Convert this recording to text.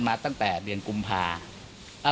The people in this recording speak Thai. มาตั้งแต่เดือนกุมภา